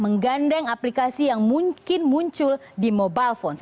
menggandeng aplikasi yang mungkin muncul di mobile phone